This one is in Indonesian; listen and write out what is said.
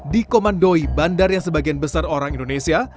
di komandoi bandar yang sebagian besar orang indonesia